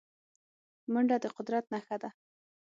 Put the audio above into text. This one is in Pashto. منډه د قدرت نښه ده